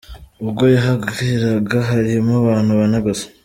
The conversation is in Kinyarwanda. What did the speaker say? Ubwo yahageraga harimo abantu bane gusa.